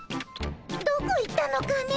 どこ行ったのかね。